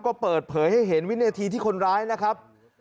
ก็เปิดเผยให้เห็นวินาทีที่คนร้ายนะครับ